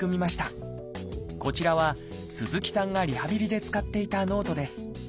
こちらは鈴木さんがリハビリで使っていたノートです。